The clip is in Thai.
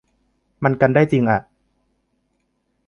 มันกันได้จิงอ่ะ